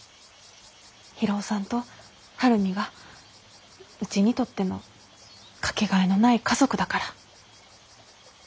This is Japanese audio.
博夫さんと晴海がうちにとっての掛けがえのない家族だから。